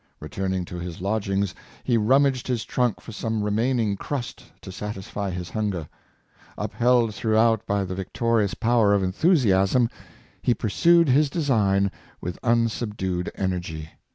Returning to his lodgings, he rummaged his trunk for some remaining crust to satisfy his hunger. Upheld throughout by the James Sharpies. 351 victorious power of enthusiasm, he pursued his design with unsubdued energy.